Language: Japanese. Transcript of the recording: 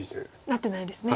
なってないですね。